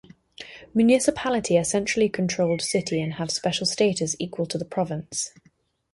Municipality are centrally-controlled city and have special status equal to the Province.